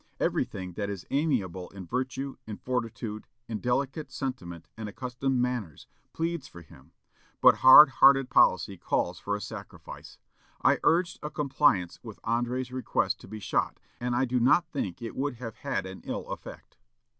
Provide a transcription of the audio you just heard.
Everything that is amiable in virtue, in fortitude, in delicate sentiment and accomplished manners, pleads for him; but hard hearted policy calls for a sacrifice. I urged a compliance with André's request to be shot, and I do not think it would have had an ill effect."